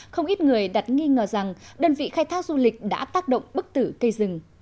không ít người đặt nghi ngờ rằng đơn vị khai thác du lịch đã tác động bức tử cây rừng